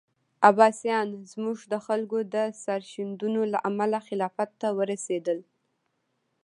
عباسیان زموږ د خلکو سرښندنو له امله خلافت ته ورسېدل.